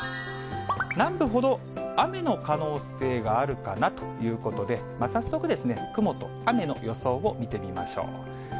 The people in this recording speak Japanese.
南部ほど雨の可能性があるかなということで、早速、雲と雨の予想を見てみましょう。